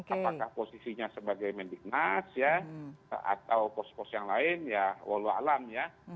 apakah posisinya sebagai mendiknas ya atau pos pos yang lain ya walau alam ya